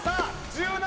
１７